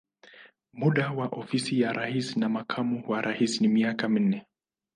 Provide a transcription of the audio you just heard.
Muda wa ofisi ya rais na makamu wa rais ni miaka minne.